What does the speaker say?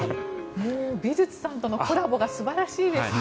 美術さんとのコラボが素晴らしいですね。